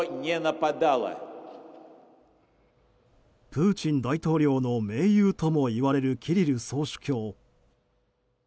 プーチン大統領の盟友ともいわれるキリル総主教。